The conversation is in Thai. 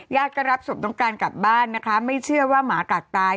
ก็รับศพน้องการกลับบ้านนะคะไม่เชื่อว่าหมากัดตาย